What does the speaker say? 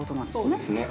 ◆そうですね。